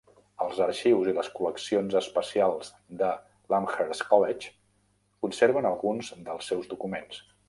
Els arxius i les col·leccions especials de l'Amherst College conserven alguns dels seus documents.